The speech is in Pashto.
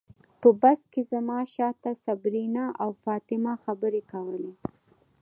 په بس کې زما شاته صبرینا او فاطمه خبرې کولې.